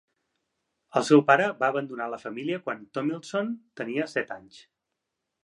El seu pare va abandonar la família quan Tomlinson tenia set anys.